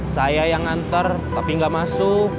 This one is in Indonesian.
saya yang nganter tapi nggak masuk